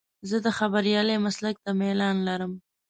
زه د خبریالۍ مسلک ته میلان لرم.